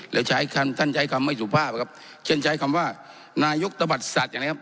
แล้วท่านใช้คำไม่สุภาพครับเชิญใช้คำว่านายกตบัติศาสตร์อย่างนี้ครับ